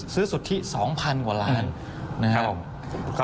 ซื้อสุดที่๒๐๐๐กว่าล้านนะครับ